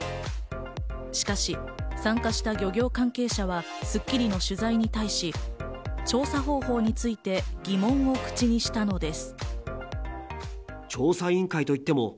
しかし、参加した漁協関係者は『スッキリ』の取材に対し、調査方法について疑問を口にしたのです。